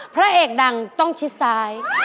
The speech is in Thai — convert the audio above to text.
พระเอกดังต้องชิดซ้าย